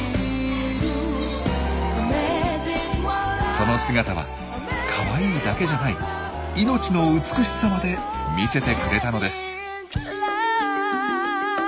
その姿は「カワイイ」だけじゃない命の美しさまで見せてくれたのです。